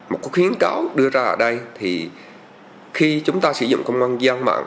một khuyến cáo đưa ra ở đây thì khi chúng ta sử dụng công văn gian mạng